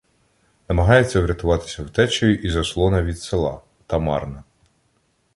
Намагається врятуватися втечею і заслона від села, та марно.